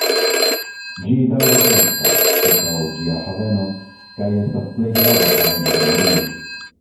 Ĝi daŭre kreskas ĉirkaŭ ĝia haveno kaj estas plej grava haveno de Malio.